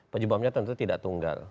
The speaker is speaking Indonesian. penyebabnya tentu tidak tunggal